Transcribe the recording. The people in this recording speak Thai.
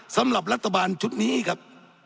สำหรับรัฐบาลชุดนี้ครับ